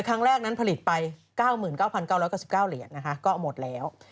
ครั้งแรกนั้นผลิตไป๙๙๙๙๙เหรียญนะคะก็เอาหมดแล้ว